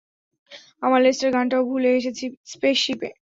আমার লেজার গানটাও ভুলে এসেছি স্পেসশিপে।